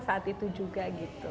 saat itu juga